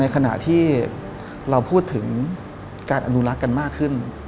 ขณะที่เราพูดถึงการอนุรักษ์กันมากขึ้น